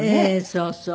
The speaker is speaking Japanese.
そうそう。